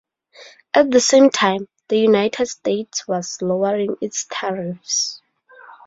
At the same time, the United States was lowering its tariffs.